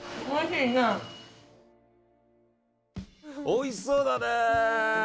おいしそうだね！